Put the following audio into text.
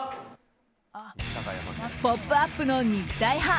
「ポップＵＰ！」の肉体派